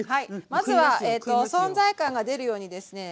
まずは存在感が出るようにですね